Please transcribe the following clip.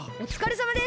おつかれさまです！